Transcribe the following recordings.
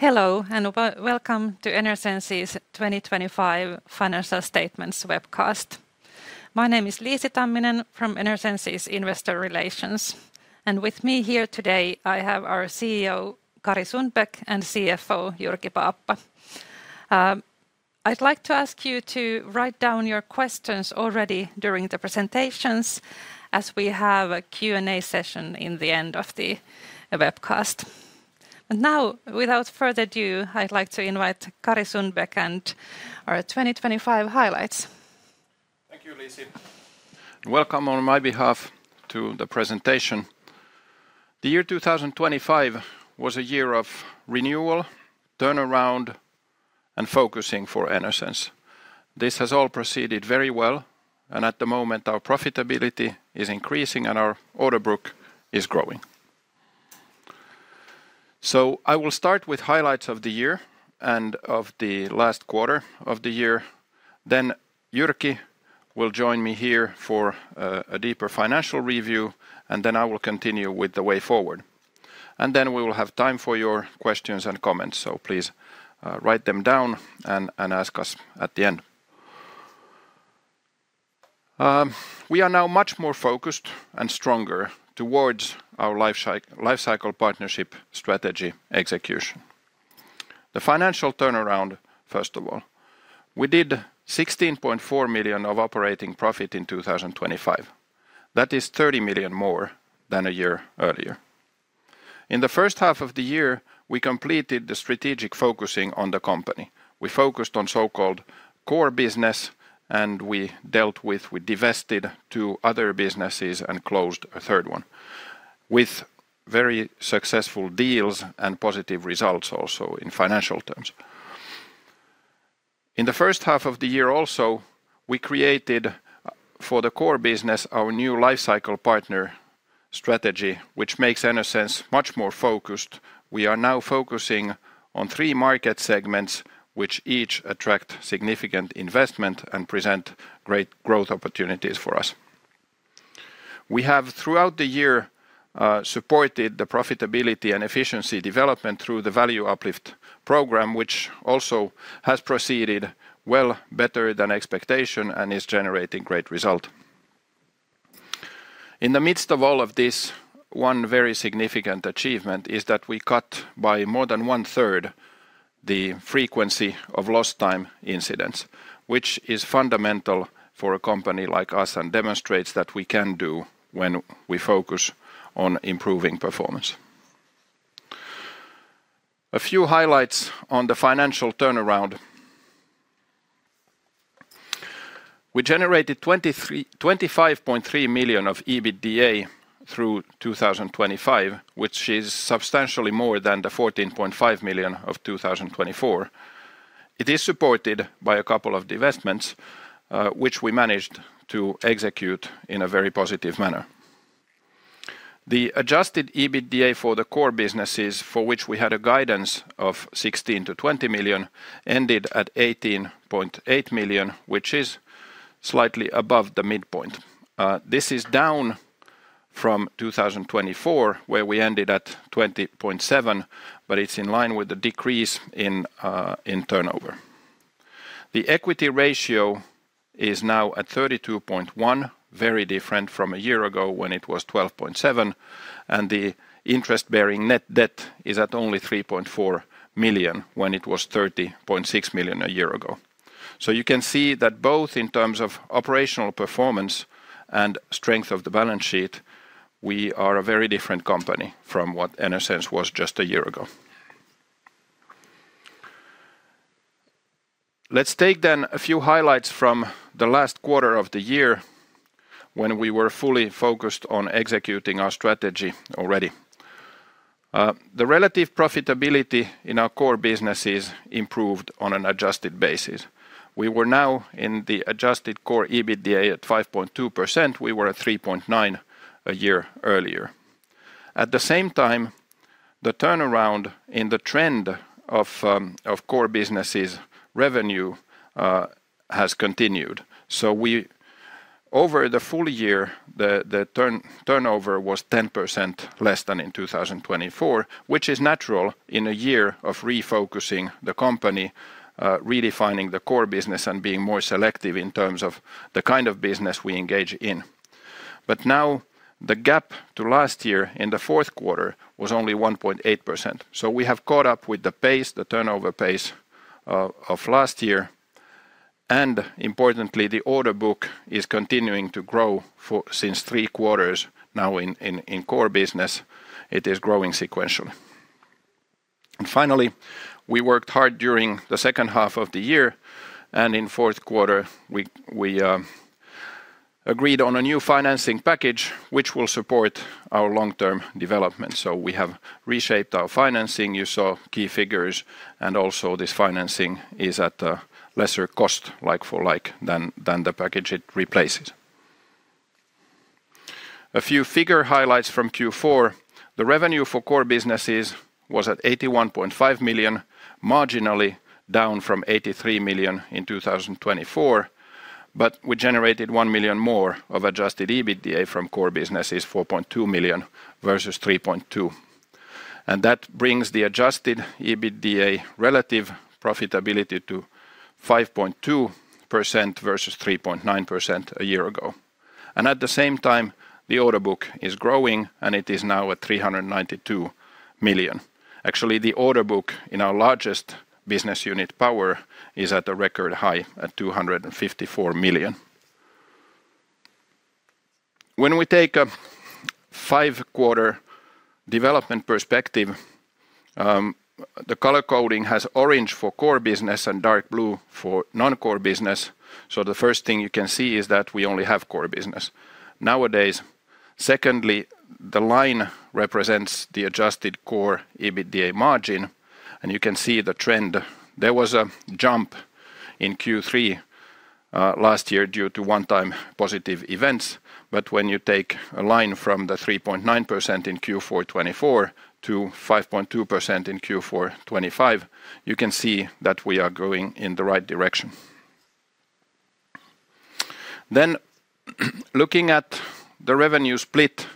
Hello, welcome to Enersense's 2025 financial statements webcast. My name is Liisi Tamminen from Enersense's Investor Relations, and with me here today, I have our CEO, Kari Sundbäck, and CFO, Jyrki Paappa. I'd like to ask you to write down your questions already during the presentations, as we have a Q&A session in the end of the webcast. Now, without further ado, I'd like to invite Kari Sundbäck and our 2025 highlights. Thank you, Liisi. Welcome on my behalf to the presentation. The year 2025 was a year of renewal, turnaround, and focusing for Enersense. This has all proceeded very well, and at the moment, our profitability is increasing and our order book is growing. So I will start with highlights of the year and of the last quarter of the year, then Jyrki will join me here for a deeper financial review, and then I will continue with the way forward. And then we will have time for your questions and comments, so please write them down and ask us at the end. We are now much more focused and stronger towards our lifecycle partnership strategy execution. The financial turnaround, first of all, we did 16.4 million of operating profit in 2025. That is 30 million more than a year earlier. In the first half of the year, we completed the strategic focusing on the company. We focused on core business, and we dealt with, we divested two other businesses and closed a third one, with very successful deals and positive results also in financial terms. In the first half of the year also, we created, for core business, our new lifecycle partner strategy, which makes Enersense much more focused. We are now focusing on 3 market segments, which each attract significant investment and present great growth opportunities for us. We have, throughout the year, supported the profitability and efficiency development through the Value Uplift program, which also has proceeded well better than expectation and is generating great result. In the midst of all of this, one very significant achievement is that we cut by more than one-third the frequency of lost time incidents, which is fundamental for a company like us and demonstrates what we can do when we focus on improving performance. A few highlights on the financial turnaround. We generated 25.3 million of EBITDA through 2025, which is substantially more than the 14.5 million of 2024. It is supported by a couple of divestments, which we managed to execute in a very positive manner. The Adjusted EBITDA for core businesses, for which we had a guidance of 16-20 million, ended at 18.8 million, which is slightly above the midpoint. This is down from 2024, where we ended at 20.7, but it's in line with the decrease in turnover. The equity ratio is now at 32.1, very different from a year ago when it was 12.7, and the interest-bearing net debt is at only 3.4 million, when it was 30.6 million a year ago. So you can see that both in terms of operational performance and strength of the balance sheet, we are a very different company from what Enersense was just a year ago. Let's take then a few highlights from the last quarter of the year when we were fully focused on executing our strategy already. The relative profitability in core businesses improved on an adjusted basis. We were now in the adjusted core EBITDA at 5.2%. We were at 3.9 a year earlier. At the same time, the turnaround in the trend core businesses' revenue has continued. So over the full year, the turnover was 10% less than in 2024, which is natural in a year of refocusing the company, redefining core business, and being more selective in terms of the kind of business we engage in. But now, the gap to last year in the Q4 was only 1.8%. So we have caught up with the pace, the turnover pace, of last year, and importantly, the order book is continuing to grow for since three quarters now core business, it is growing sequentially. Finally, we worked hard during the second half of the year, and in Q4, we agreed on a new financing package, which will support our long-term development. So we have reshaped our financing. You saw key figures, and also this financing is at a lesser cost, like for like, than the package it replaces. A few figure highlights from Q4: the revenue core businesses was at 81.5 million marginally down from 83 million in 2024, but we generated one million more of Adjusted EBITDA core business is 4.2 million versus 3.2 million. And that brings the Adjusted EBITDA relative profitability to 5.2% versus 3.9% a year ago. And at the same time, the order book is growing, and it is now at 392 million. Actually, the order book in our largest business unit, Power, is at a record high at 254 million. When we take a five-quarter development perspective, the color coding has orange core business and dark blue non-core business. so the first thing you can see is that we only core business. nowadays, secondly, the line represents the adjusted core EBITDA margin, and you can see the trend. There was a jump in Q3 last year due to one-time positive events, but when you take a line from the 3.9% in Q4 2024 to 5.2% in Q4 2025, you can see that we are going in the right direction. Then, looking at the revenue split,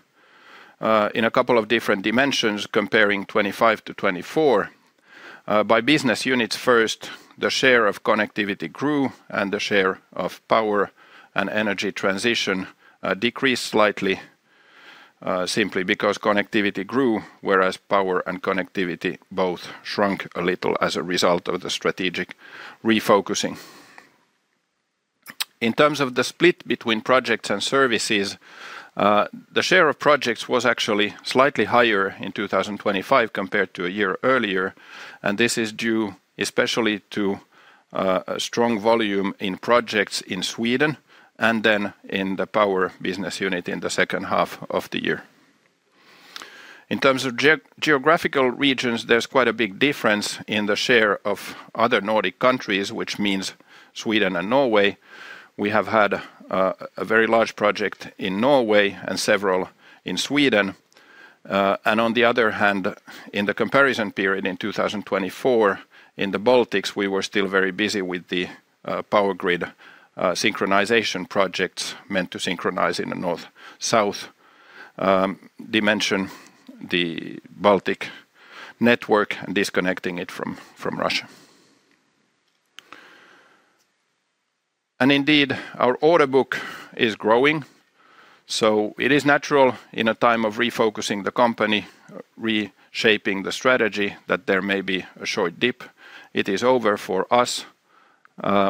in a couple of different dimensions, comparing 2025 to 2024. By business units first, the share of Connectivity grew, and the share of Power and Energy Transition decreased slightly, simply because Connectivity grew, whereas Power and Connectivity both shrunk a little as a result of the strategic refocusing. In terms of the split between projects and services, the share of projects was actually slightly higher in 2025 compared to a year earlier, and this is due especially to a strong volume in projects in Sweden and then in the Power business unit in the second half of the year. In terms of geographical regions, there's quite a big difference in the share of other Nordic countries, which means Sweden and Norway. We have had a very large project in Norway and several in Sweden. On the other hand, in the comparison period in 2024, in the Baltics, we were still very busy with the power grid synchronization projects meant to synchronize in the north-south dimension the Baltic network, and disconnecting it from Russia. Indeed, our order book is growing, so it is natural in a time of refocusing the company, reshaping the strategy, that there may be a short dip. It is over for us.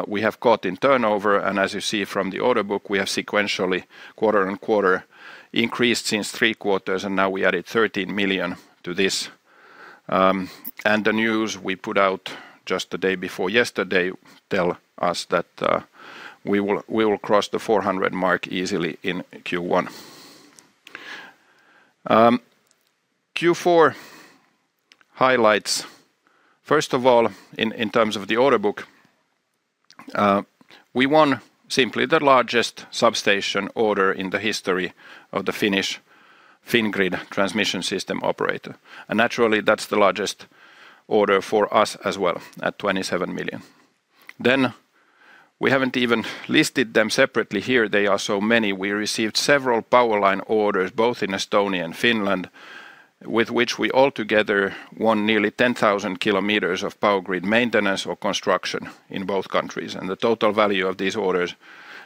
We have caught in turnover, and as you see from the order book, we have sequentially quarter-over-quarter increased since three quarters, and now we added 13 million to this. The news we put out just the day before yesterday tell us that we will cross the 400 million mark easily in Q1. Q4 highlights, first of all, in terms of the order book, we won simply the largest substation order in the history of the Finnish Fingrid transmission system operator, and naturally, that's the largest order for us as well, at 27 million. Then we haven't even listed them separately here. They are so many. We received several power line orders, both in Estonia and Finland, with which we altogether won nearly 10,000 kilometers of power grid maintenance or construction in both countries, and the total value of these orders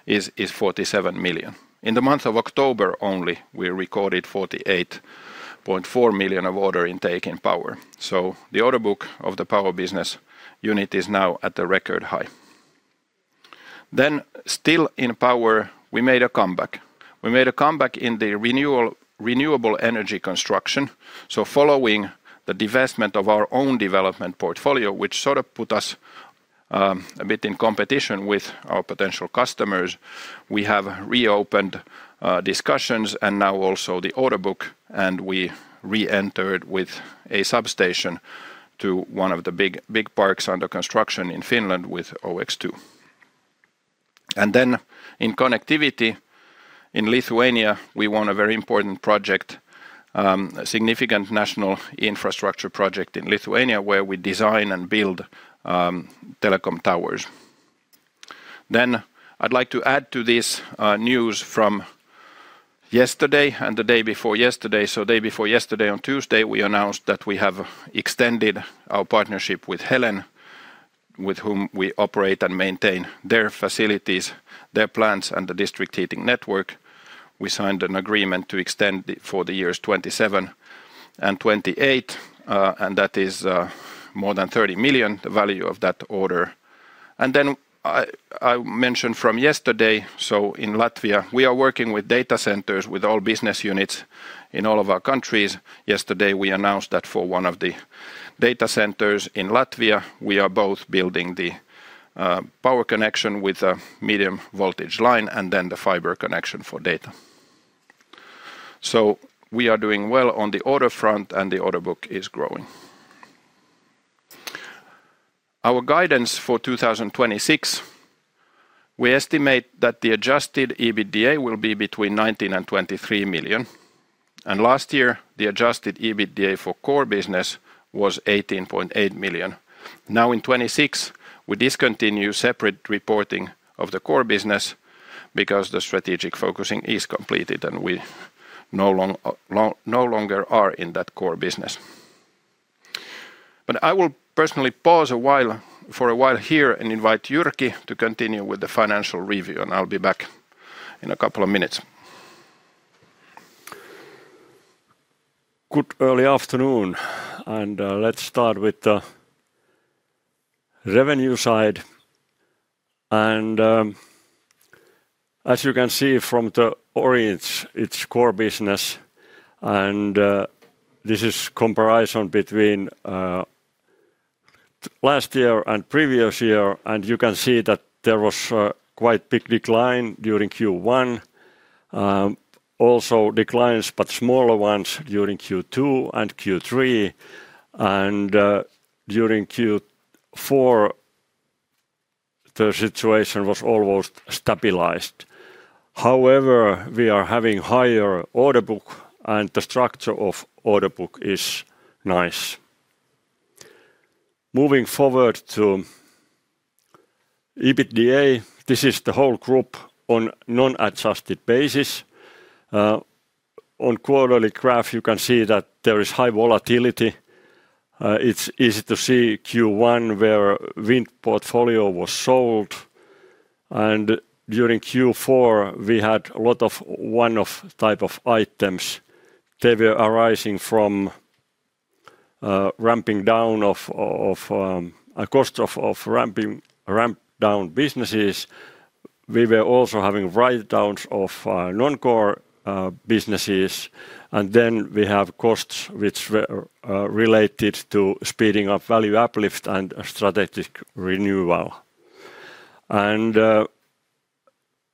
is 47 million. In the month of October only, we recorded 48.4 million of order intake in Power. So the order book of the Power business unit is now at a record high. Then, still in Power, we made a comeback. We made a comeback in the renewable energy construction. Following the divestment of our own development portfolio, which sort of put us a bit in competition with our potential customers, we have reopened discussions and now also the order book, and we reentered with a substation to one of the big, big parks under construction in Finland with OX2. In Connectivity, in Lithuania, we won a very important project, a significant national infrastructure project in Lithuania, where we design and build telecom towers. I'd like to add to this news from yesterday and the day before yesterday. Day before yesterday, on Tuesday, we announced that we have extended our partnership with Helen, with whom we operate and maintain their facilities, their plants, and the district heating network. We signed an agreement to extend it for the years 2027 and 2028, and that is more than 30 million, the value of that order. Then I mentioned from yesterday, so in Latvia, we are working with data centers, with all business units in all of our countries. Yesterday, we announced that for one of the data centers in Latvia, we are both building the power connection with a medium voltage line and then the fiber connection for data. So we are doing well on the order front, and the order book is growing. Our guidance for 2026. We estimate that the Adjusted EBITDA will be between 19 million and 23 million. And last year, the Adjusted EBITDA core business was 18.8 million. Now, in 2026, we discontinue separate reporting of core business because the strategic focusing is completed, and we no longer are in core business. but I will personally pause for a while here and invite Jyrki to continue with the financial review, and I'll be back in a couple of minutes. Good early afternoon, and let's start with the revenue side. As you can see from the orange, core business, and this is comparison between last year and previous year, and you can see that there was a quite big decline during Q1. Also declines, but smaller ones during Q2 and Q3, and during Q4, the situation was almost stabilized. However, we are having higher order book, and the structure of order book is nice. Moving forward to EBITDA, this is the whole group on non-adjusted basis. On quarterly graph, you can see that there is high volatility. It's easy to see Q1, where wind portfolio was sold, and during Q4, we had a lot of one-off type of items. They were arising from ramping down of a cost of ramp-down businesses. We were also having write-downs non-core businesses, and then we have costs which were related to speeding up Value Uplift and strategic renewal.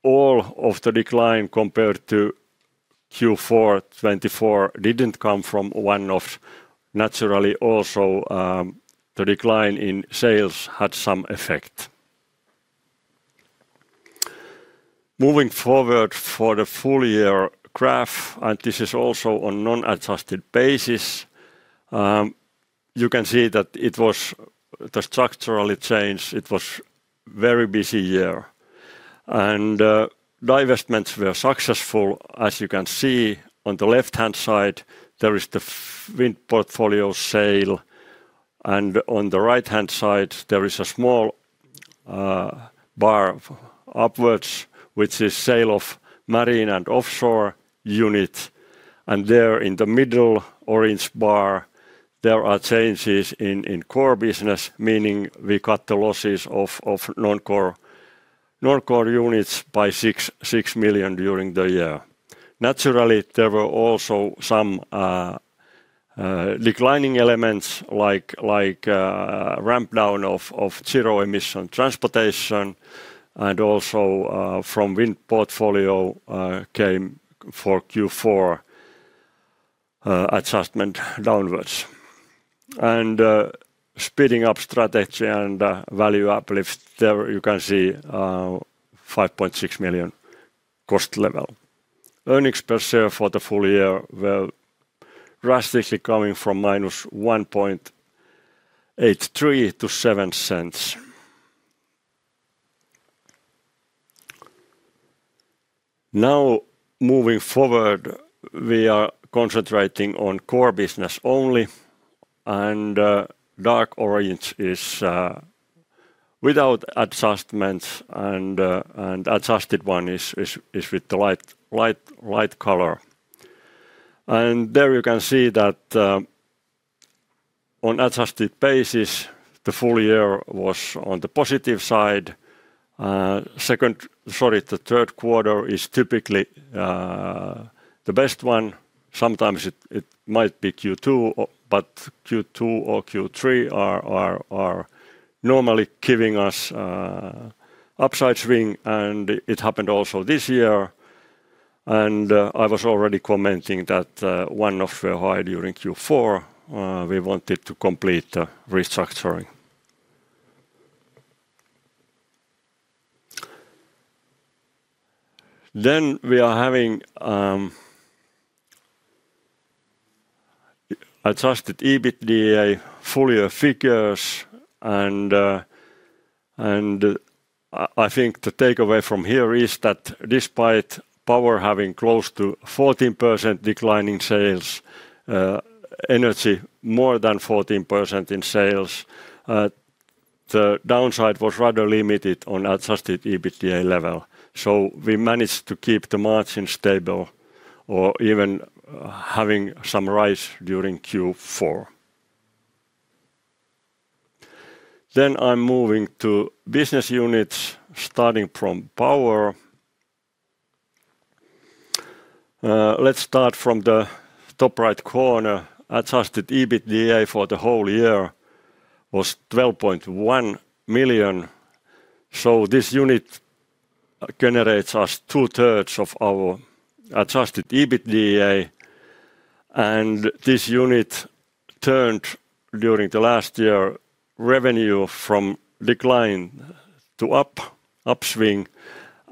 All of the decline compared to Q4 2024 didn't come from one-offs. Naturally, also, the decline in sales had some effect. Moving forward for the full year graph, and this is also on non-adjusted basis, you can see that it was the structural change. It was very busy year, and divestments were successful. As you can see, on the left-hand side, there is the wind portfolio sale, and on the right-hand side, there is a small bar upwards, which is sale of Marine and Offshore unit. There in the middle orange bar, there are changes core business, meaning we cut the losses of non-core units by 6 million during the year. Naturally, there were also some declining elements like ramp down of zero-emission transportation and also from wind portfolio came for Q4 adjustment downwards. Speeding up strategy and value uplift, there you can see 5.6 million cost level. Earnings per share for the full year were drastically coming from -1.83 to 0.07. Now, moving forward, we are concentrating core business only, and dark orange is without adjustments, and adjusted one is with the light color. And there you can see that on adjusted basis, the full year was on the positive side. Second... Sorry, the Q3 is typically the best one. Sometimes it might be Q2, but Q2 or Q3 are normally giving us upside swing, and it happened also this year. And I was already commenting that one of the high during Q4 we wanted to complete the restructuring. Then we are having Adjusted EBITDA full year figures, and I think the takeaway from here is that despite Power having close to 14% decline in sales, Energy more than 14% in sales, the downside was rather limited on Adjusted EBITDA level. So we managed to keep the margin stable or even having some rise during Q4. Then I'm moving to business units, starting from Power. Let's start from the top right corner. Adjusted EBITDA for the whole year was 12.1 million. So this unit generates us two-thirds of our Adjusted EBITDA. And this unit turned during the last year revenue from decline to up, upswing,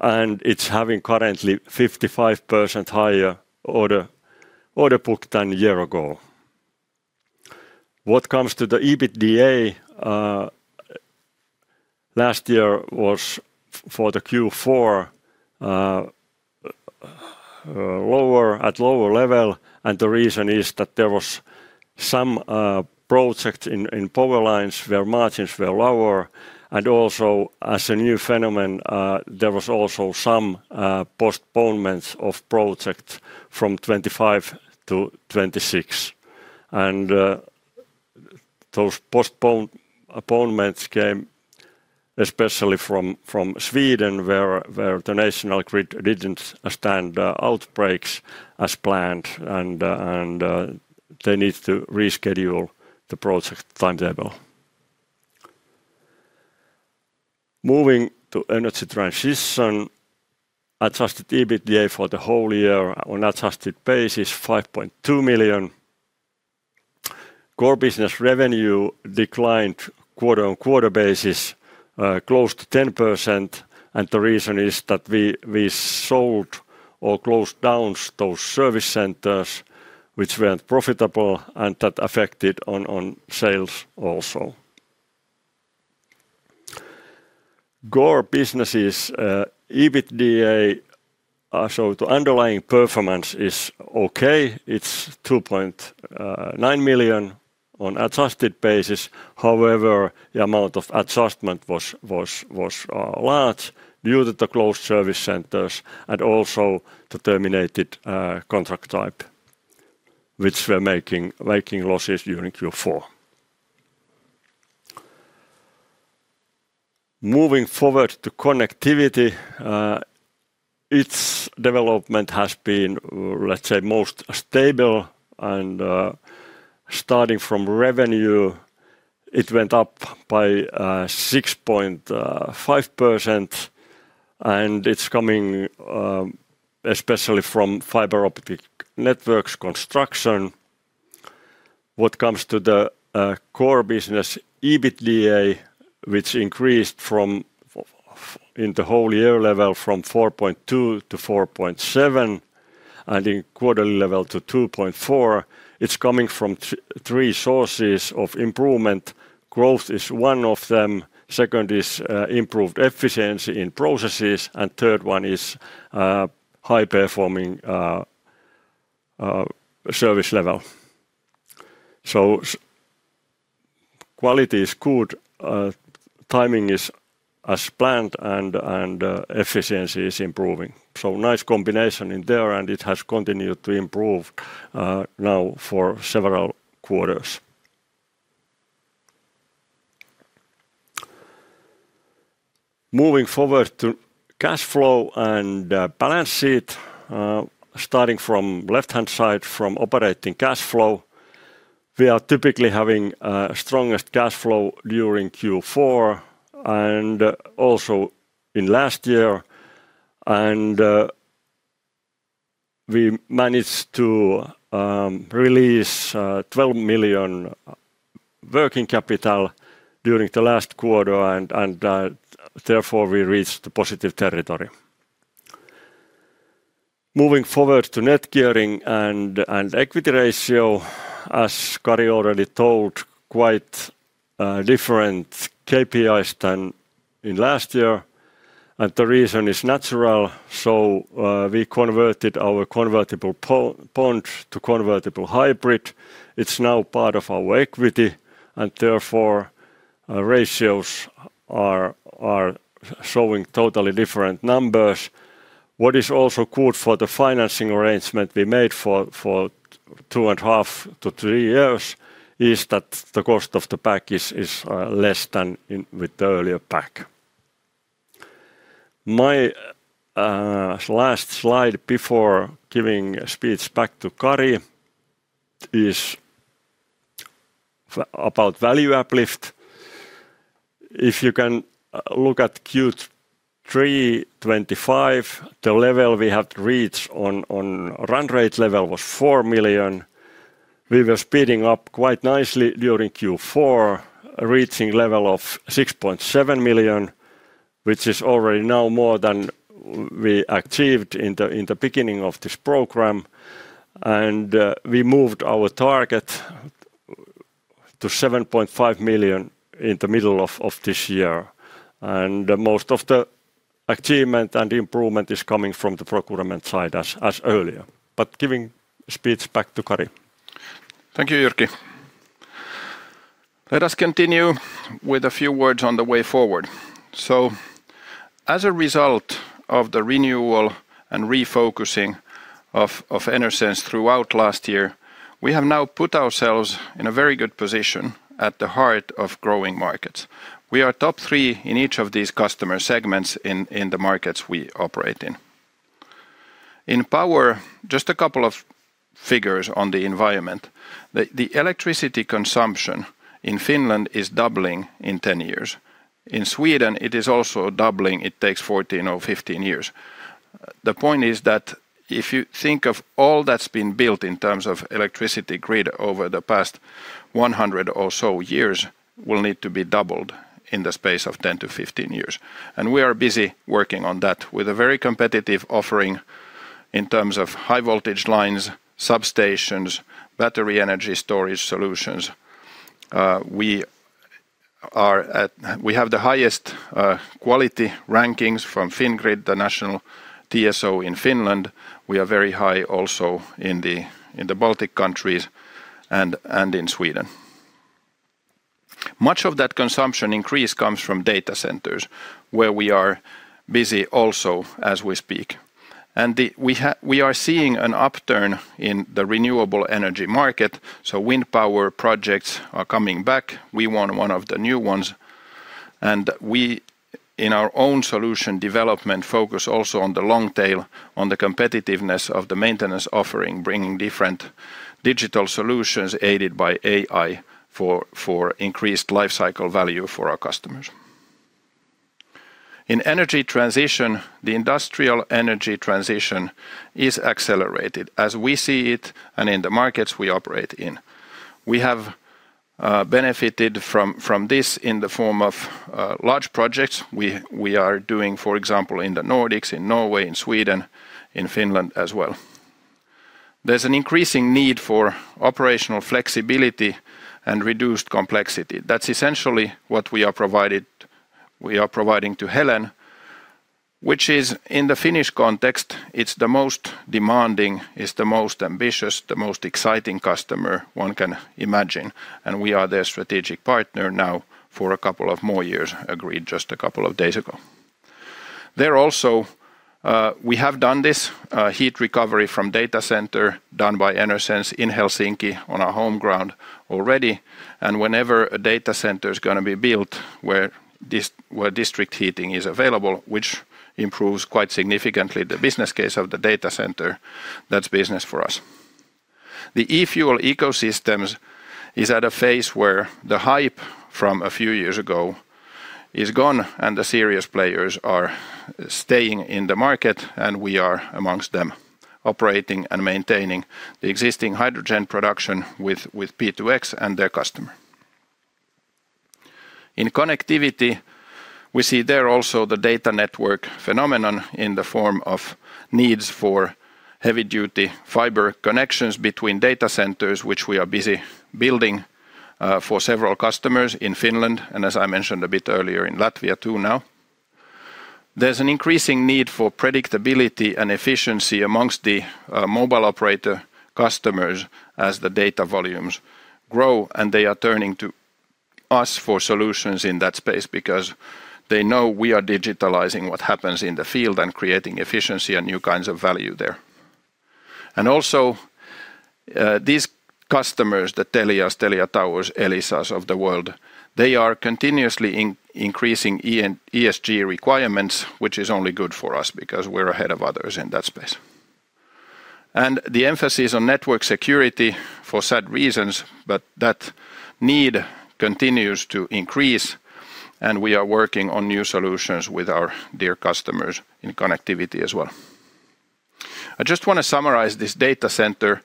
and it's having currently 55% higher order book than a year ago. What comes to the EBITDA, last year was for the Q4 lower at lower level, and the reason is that there was some project in power lines where margins were lower, and also, as a new phenomenon, there was also some postponements of project from 2025 to 2026. And those postponements came especially from Sweden, where the national grid didn't start outages as planned, and they need to reschedule the project timetable. Moving to Energy Transition, Adjusted EBITDA for the whole year on adjusted basis, 5.2 million. core business revenue declined quarter-on-quarter basis, close to 10%, and the reason is that we sold or closed down those service centers which weren't profitable, and that affected on sales core business ebitda, so the underlying performance is okay. It's 2.9 million on adjusted basis. However, the amount of adjustment was large due to the closed service centers and also the terminated contract type, which were making losses during Q4. Moving forward to Connectivity, its development has been, let's say, most stable and, starting from revenue, it went up by 6.5%, and it's coming especially from fiber optic networks construction. What comes to core business, ebitda, which increased from 4.2 in the whole year level to 4.7, and in quarterly level to 2.4, it's coming from three sources of improvement. Growth is one of them. Second is improved efficiency in processes, and third one is high-performing service level. So quality is good, timing is as planned, and efficiency is improving. So nice combination in there, and it has continued to improve now for several quarters. Moving forward to cash flow and balance sheet. Starting from left-hand side, from operating cash flow, we are typically having strongest cash flow during Q4 and also in last year. We managed to release 12 million working capital during the last quarter, and therefore, we reached the positive territory. Moving forward to net gearing and equity ratio, as Kari already told, quite different KPIs than in last year, and the reason is natural. So, we converted our convertible bond to convertible hybrid. It's now part of our equity, and therefore, ratios are showing totally different numbers. What is also good for the financing arrangement we made for 2.5-3 years is that the cost of the package is less than with the earlier pack. My last slide before giving speech back to Kari is about Value Uplift. If you can look at Q3 2025, the level we had reached on run rate level was four million. We were speeding up quite nicely during Q4, reaching level of 6.7 million, which is already now more than we achieved in the beginning of this program, and we moved our target to 7.5 million in the middle of this year. And most of the achievement and improvement is coming from the procurement side as earlier. But giving speech back to Kari. Thank you, Jyrki. Let us continue with a few words on the way forward. So as a result of the renewal and refocusing of, of Enersense throughout last year, we have now put ourselves in a very good position at the heart of growing markets. We are top three in each of these customer segments in, in the markets we operate in. In Power, just a couple of figures on the environment. The electricity consumption in Finland is doubling in 10 years. In Sweden, it is also doubling. It takes 14 or 15 years. The point is that if you think of all that's been built in terms of electricity grid over the past 100 or so years, will need to be doubled in the space of 10-15 years, and we are busy working on that with a very competitive offering in terms of high voltage lines, substations, battery energy storage solutions. We have the highest quality rankings from Fingrid, the national TSO in Finland. We are very high also in the Baltic countries and in Sweden. Much of that consumption increase comes from data centers, where we are busy also as we speak. We are seeing an upturn in the renewable energy market, so wind power projects are coming back. We won one of the new ones, and we, in our own solution development, focus also on the long tail, on the competitiveness of the maintenance offering, bringing different digital solutions, aided by AI for increased lifecycle value for our customers. In Energy Transition, the industrial energy transition is accelerated as we see it and in the markets we operate in. We have benefited from this in the form of large projects we are doing, for example, in the Nordics, in Norway, in Sweden, in Finland as well. There's an increasing need for operational flexibility and reduced complexity. That's essentially what we are provided-- we are providing to Helen, which is in the Finnish context, it's the most demanding, it's the most ambitious, the most exciting customer one can imagine, and we are their strategic partner now for a couple of more years, agreed just a couple of days ago. There also, we have done this, heat recovery from data center, done by Enersense in Helsinki, on our home ground already. And whenever a data center is gonna be built, where district heating is available, which improves quite significantly the business case of the data center, that's business for us. The e-fuel ecosystems is at a phase where the hype from a few years ago is gone, and the serious players are staying in the market, and we are amongst them, operating and maintaining the existing hydrogen production with P2X and their customer. In connectivity, we see there also the data network phenomenon in the form of needs for heavy-duty fiber connections between data centers, which we are busy building for several customers in Finland, and as I mentioned a bit earlier, in Latvia, too, now. There's an increasing need for predictability and efficiency amongst the mobile operator customers as the data volumes grow, and they are turning to us for solutions in that space because they know we are digitalizing what happens in the field and creating efficiency and new kinds of value there. And also, these customers, the Telias, Telia Towers, Elisas of the world, they are continuously increasing ESG requirements, which is only good for us because we're ahead of others in that space. And the emphasis on network security for sad reasons, but that need continues to increase, and we are working on new solutions with our dear customers in Connectivity as well. I just want to summarize this data center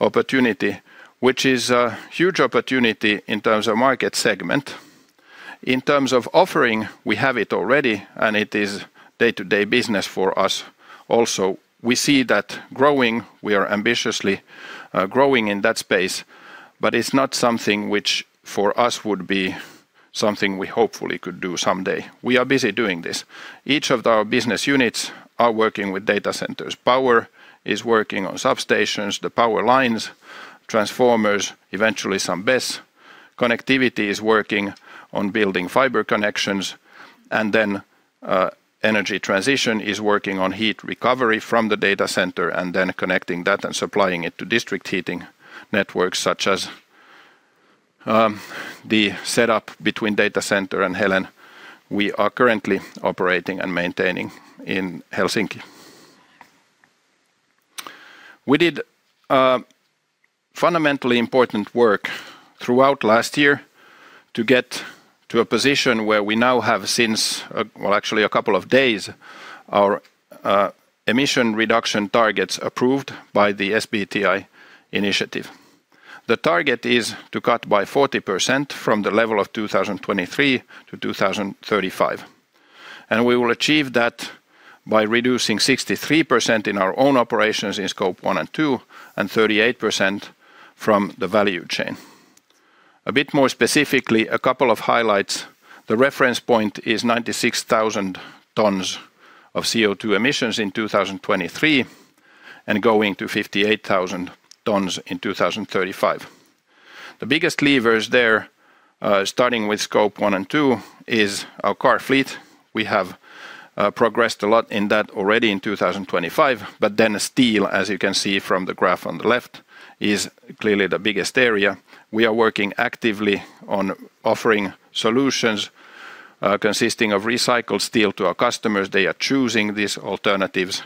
opportunity, which is a huge opportunity in terms of market segment. In terms of offering, we have it already, and it is day-to-day business for us also. We see that growing. We are ambitiously growing in that space, but it's not something which, for us, would be something we hopefully could do someday. We are busy doing this. Each of our business units are working with data centers. Power is working on substations, the power lines, transformers, eventually some BESS. Connectivity is working on building fiber connections, and then, Energy Transition is working on heat recovery from the data center, and then connecting that and supplying it to district heating networks, such as, the setup between data center and Helen. We are currently operating and maintaining in Helsinki. We did, fundamentally important work throughout last year to get to a position where we now have, since, well, actually a couple of days, our, emission reduction targets approved by the SBTi initiative. The target is to cut by 40% from the level of 2023 to 2035, and we will achieve that by reducing 63% in our own operations in Scope 1 and 2, and 38% from the value chain. A bit more specifically, a couple of highlights. The reference point is 96,000 tons of CO2 emissions in 2023, and going to 58,000 tons in 2035. The biggest levers there, starting with Scope 1 and 2, is our car fleet. We have progressed a lot in that already in 2025, but then steel, as you can see from the graph on the left, is clearly the biggest area. We are working actively on offering solutions consisting of recycled steel to our customers. They are choosing these alternatives.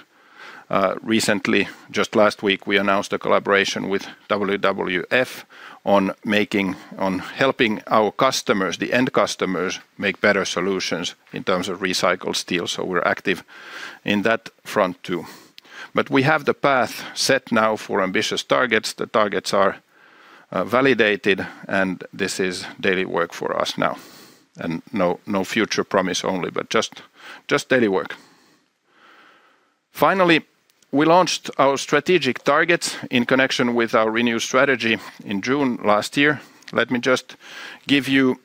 Recently, just last week, we announced a collaboration with WWF on making, on helping our customers, the end customers, make better solutions in terms of recycled steel, so we're active in that front, too. But we have the path set now for ambitious targets. The targets are validated, and this is daily work for us now, and no, no future promise only, but just, just daily work. Finally, we launched our strategic targets in connection with our renewed strategy in June last year. Let me just give you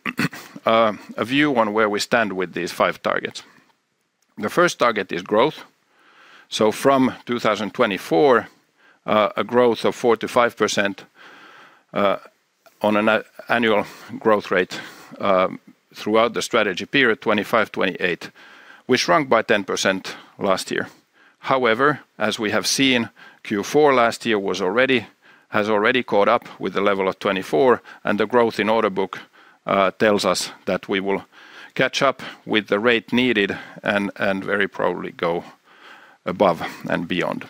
a view on where we stand with these five targets. The first target is growth. So from 2024, a growth of 4%-5% on an annual growth rate throughout the strategy period, 2025-2028. We shrunk by 10% last year. However, as we have seen, Q4 last year has already caught up with the level of 2024, and the growth in order book tells us that we will catch up with the rate needed and very probably go above and beyond.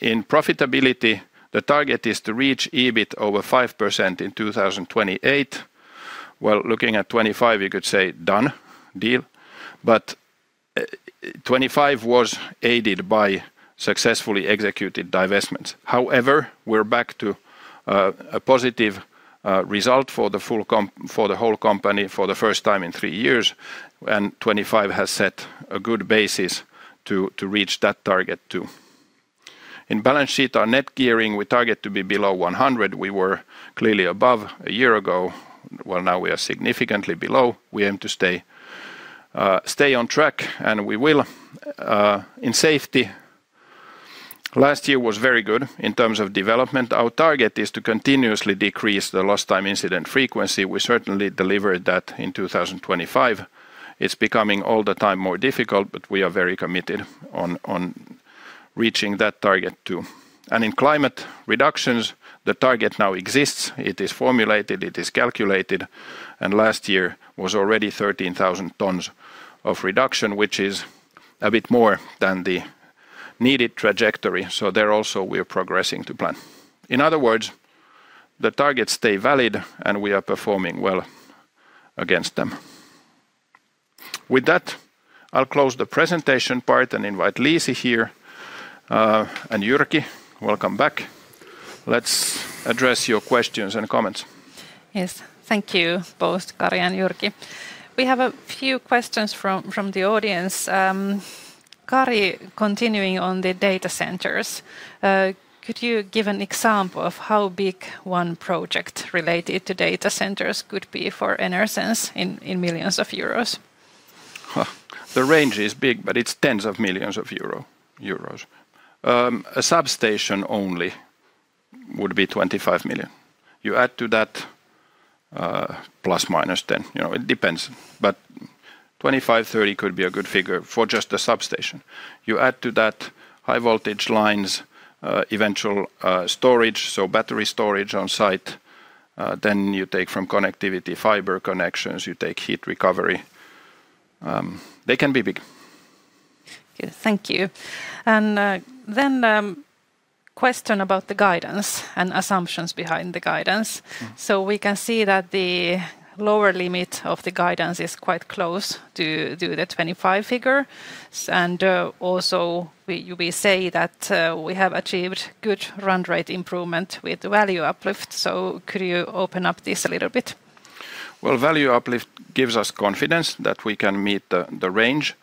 In profitability, the target is to reach EBIT over 5% in 2028. Well, looking at 2025, you could say, "Done, deal," but 2025 was aided by successfully executed divestments. However, we're back to a positive result for the whole company for the first time in 3 years, and 2025 has set a good basis to reach that target, too. In balance sheet, our net gearing, we target to be below 100. We were clearly above a year ago. Well, now we are significantly below. We aim to stay on track, and we will. In safety, last year was very good in terms of development. Our target is to continuously decrease the lost time incident frequency. We certainly delivered that in 2025. It's becoming all the time more difficult, but we are very committed on reaching that target, too. In climate reductions, the target now exists. It is formulated, it is calculated, and last year was already 13,000 tons of reduction, which is a bit more than the needed trajectory, there also, we are progressing to plan. In other words, the targets stay valid, and we are performing well against them. With that, I'll close the presentation part and invite Liisi here, and Jyrki. Welcome back. Let's address your questions and comments. Yes, thank you both Kari and Jyrki. We have a few questions from the audience. Kari, continuing on the data centers, could you give an example of how big one project related to data centers could be for Enersense in millions of euros? The range is big, but it's tens of millions of EUR. A substation only would be 25 million. You add to that, +/- 10, you know, it depends, but 25-30 could be a good figure for just the substation. You add to that high-voltage lines, eventual, storage, so battery storage on site, then you take from connectivity, fiber connections, you take heat recovery. They can be big. Good. Thank you. And, then, question about the guidance and assumptions behind the guidance. So we can see that the lower limit of the guidance is quite close to the 25 figure, and also we say that we have achieved good run rate improvement with Value Uplift, so could you open up this a little bit? Well, Value Uplift gives us confidence that we can meet the range.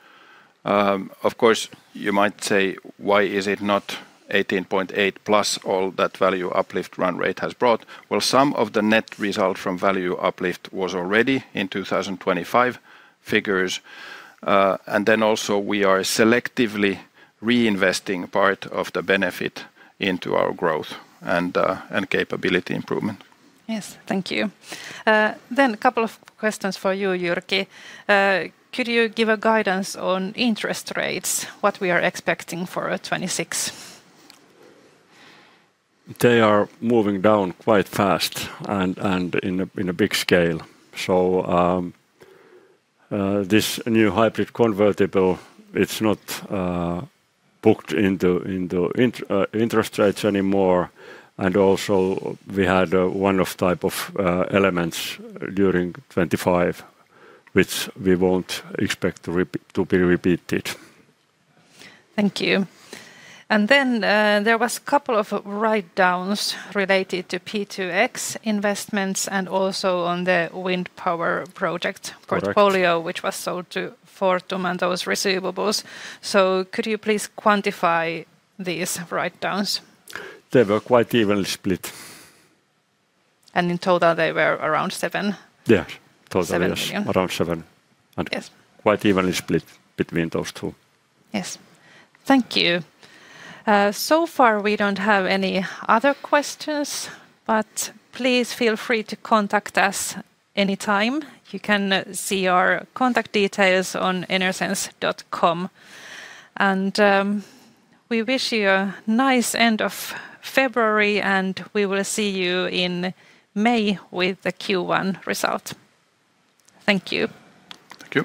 Of course, you might say, "Why is it not 18.8 plus all that Value Uplift run rate has brought?" Well, some of the net result from Value Uplift was already in 2025 figures, and then also we are selectively reinvesting part of the benefit into our growth and capability improvement. Yes, thank you. A couple of questions for you, Jyrki. Could you give a guidance on interest rates, what we are expecting for 2026? They are moving down quite fast and in a big scale. So, this new hybrid convertible, it's not booked into interest rates anymore, and also, we had a one-off type of elements during 2025, which we won't expect to be repeated. Thank you. And then, there was a couple of write-downs related to P2X investments and also on the wind power project- Correct... portfolio, which was sold to Fortum and those receivables. So could you please quantify these write-downs? They were quite evenly split. In total, they were around 7? Yeah. Seven million. Around seven. Yes. Quite evenly split between those two. Yes. Thank you. So far, we don't have any other questions, but please feel free to contact us any time. You can see our contact details on Enersense.com. We wish you a nice end of February, and we will see you in May with the Q1 result. Thank you. Thank you.